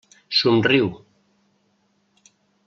Somriu.